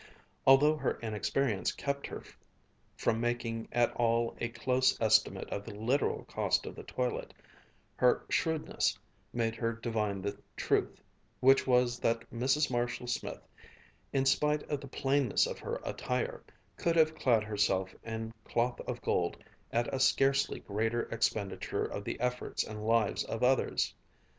Although her inexperience kept her from making at all a close estimate of the literal cost of the toilet, her shrewdness made her divine the truth, which was that Mrs. Marshall Smith, in spite of the plainness of her attire, could have clad herself in cloth of gold at a scarcely greater expenditure of the efforts and lives of others.